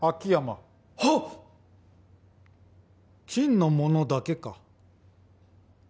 朕のものだけか？